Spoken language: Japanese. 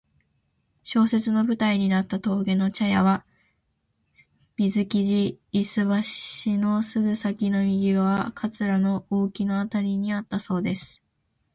小説の舞台になった峠の茶屋は水生地・白橋のすぐ先の右側、桂の大木のあたりにあったそうです。